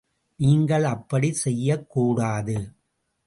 நீங்கள் அப்படிச் செய்யக் கூடாது.